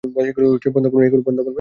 এগুলো বন্ধ করবেন?